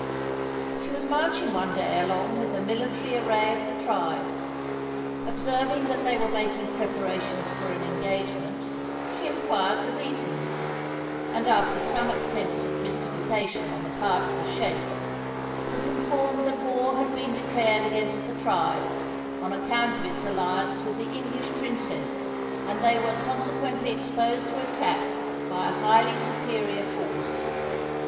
She was marching one day along with the military array of the tribe. Observing that they were making preparations for an engagement, she inquired the reason, and, after some attempt at mystification on the part of the sheikh, was informed that war had been declared against the tribe on account of its alliance with the English princess, and they were consequently exposed to attack by a highly superior force.